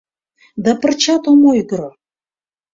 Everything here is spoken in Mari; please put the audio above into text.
Да пырчат ом ойгыро...